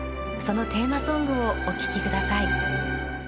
そのテーマソングをおききください。